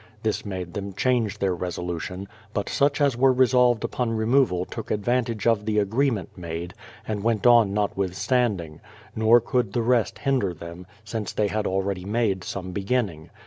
This made them change their resolu tion; but such as were resolved upon removal took advantage of the agreement made, and went on notwith standing; nor could the rest hinder them, since they had already made some beginning.